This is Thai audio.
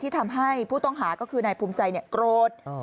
ทำให้ผู้ต้องหาก็คือนายภูมิใจโกรธ